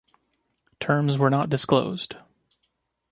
Terms were not disclosed.